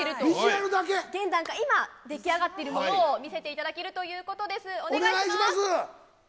現段階、今出来上がっているものを見せていただけるということです。